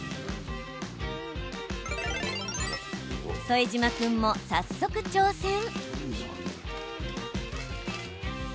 副島君も、早速、挑戦。